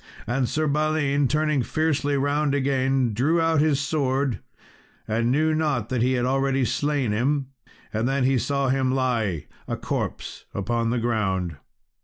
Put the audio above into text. And Sir Balin turning fiercely round again, drew out his sword, and knew not that he had already slain him; and then he saw him lie a corpse upon the ground.